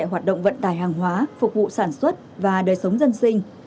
hoạt động vận tải hàng hóa phục vụ sản xuất và đời sống dân sinh